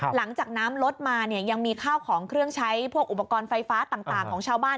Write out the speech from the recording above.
หลังจากน้ำลดมาเนี่ยยังมีข้าวของเครื่องใช้พวกอุปกรณ์ไฟฟ้าต่างของชาวบ้าน